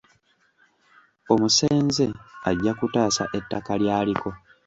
Omusenze ajja kutaasa ettaka lyaliko